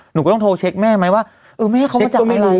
หนูก็ต้องโทรเช็คแม่ไหมว่าเออแม่เขามาจากอะไร